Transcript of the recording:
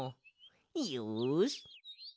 よし！